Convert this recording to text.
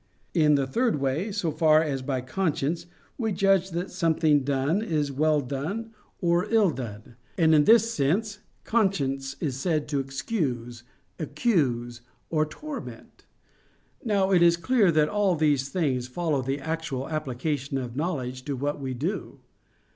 In the third way, so far as by conscience we judge that something done is well done or ill done, and in this sense conscience is said to excuse, accuse, or torment. Now, it is clear that all these things follow the actual application of knowledge to what we do.